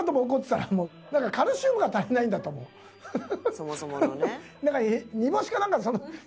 「そもそものね」